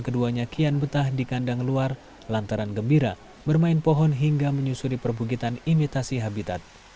keduanya kian betah di kandang luar lantaran gembira bermain pohon hingga menyusuri perbukitan imitasi habitat